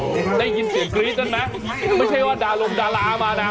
ไม่ใช่ว่าดารมดารามานะ